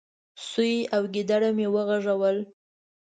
. سوی او ګيدړه مې وغږول،